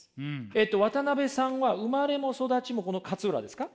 えっと渡辺さんは生まれも育ちもこの勝浦ですか？